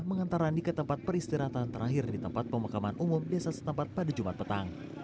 mengantar randi ke tempat peristirahatan terakhir di tempat pemakaman umum desa setempat pada jumat petang